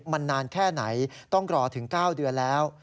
มันนานแค่ไหนต้องรอถึง๙เดือนแล้ว